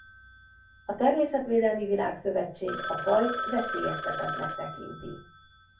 A Természetvédelmi Világszövetség a fajt veszélyeztetettnek tekinti.